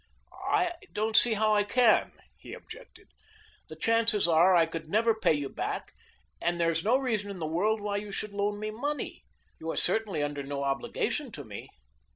"I don't see how I can," he objected. "The chances are I could never pay you back, and there is no reason in the world why you should loan me money. You are certainly under no obligation to me."